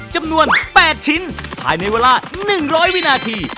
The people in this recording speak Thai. จำนวนแปดชิ้นถ่ายในเวลาหนึ่งร้อยวินาที